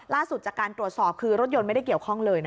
ล่าสุดจากการตรวจสอบคือรถยนต์ไม่ได้เกี่ยวข้องเลย